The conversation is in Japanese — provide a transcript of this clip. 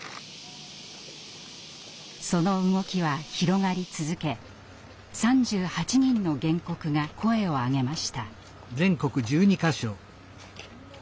その動きは広がり続け３８人の原告が声を上げました。